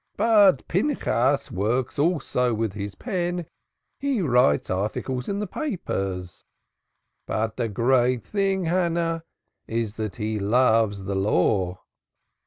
But Pinchas works also with his pen. He writes articles in the papers. But the great thing, Hannah, is that he loves the Law."